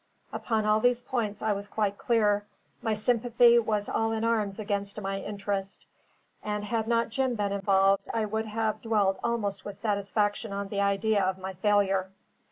Upon all these points I was quite clear; my sympathy was all in arms against my interest; and had not Jim been involved, I could have dwelt almost with satisfaction on the idea of my failure.